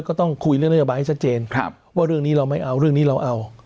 ก็ต้องคุยเรื่องนโยบายให้ชัดเจนว่าเรื่องนี้เราไม่เอาเรื่องนี้เราเอา